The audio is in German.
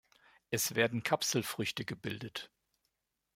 Es werden Kapselfrüchte gebildet.